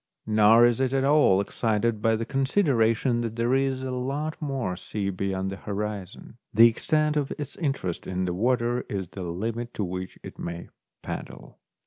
Nor is it at all excited by the con sideration that there is a lot more sea beyond the horizon ; the extent of its interest in the water is the limit to which it may paddle.